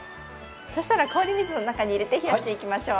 そしたら氷水の中に入れて冷やしていきましょう。